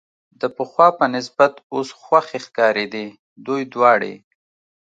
د پخوا په نسبت اوس خوښې ښکارېدې، دوی دواړې.